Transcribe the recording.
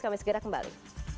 kami segera kembali